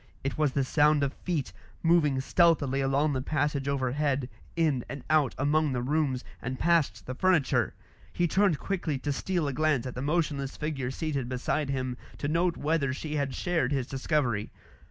It was the sound of feet, moving stealthily along the passage overhead, in and out among the rooms, and past the furniture. He turned quickly to steal a glance at the motionless figure seated beside him, to note whether she had shared his discovery.